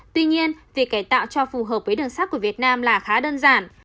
tuy nhiên việc cải tạo cho phù hợp với đường sắt của việt nam là khá đơn giản